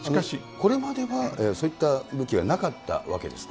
これまではそういった武器はなかったわけですか。